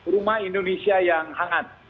rumah indonesia yang hangat